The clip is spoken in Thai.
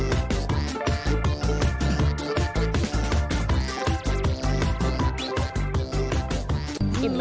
อิ่มไหมล่ะ